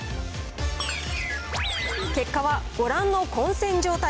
結果はご覧の混戦状態。